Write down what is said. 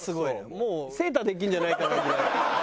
もうセーターできんじゃないかなぐらい。